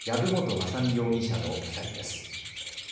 雅巳容疑者の２人です。